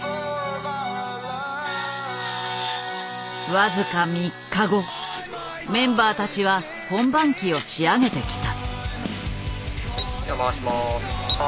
僅か３日後メンバーたちは本番機を仕上げてきた。